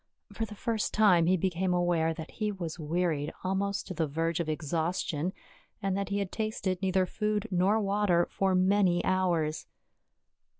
For the first time he became aware that he was wearied almost to the verge of exhaustion, and that he had tasted neither food nor water for many hours.